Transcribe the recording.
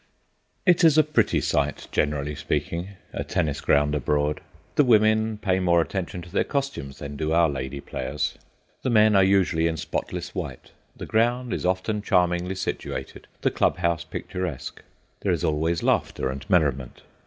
It is a pretty sight, generally speaking, a tennis ground abroad. The women pay more attention to their costumes than do our lady players. The men are usually in spotless white. The ground is often charmingly situated, the club house picturesque; there is always laughter and merriment.